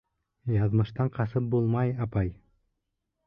— Яҙмыштан ҡасып булмай, апай.